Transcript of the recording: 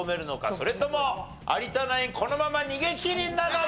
それとも有田ナインこのまま逃げ切りなのか？